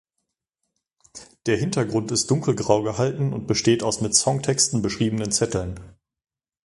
Der Hintergrund ist dunkelgrau gehalten und besteht aus mit Songtexten beschriebenen Zetteln.